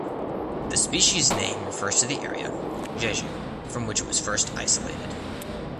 The species name refers to the area (Jeju) from which it was first isolated.